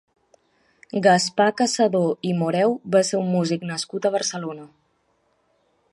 Gaspar Cassadó i Moreu va ser un músic nascut a Barcelona.